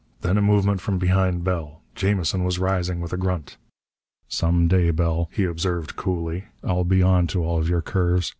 Then a movement from behind Bell. Jamison was rising with a grunt. "Some day, Bell," he observed coolly, "I'll be on to all of your curves.